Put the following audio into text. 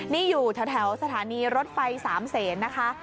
นี่อยู่แถวสถานีรถไฟสามเศษนะคะ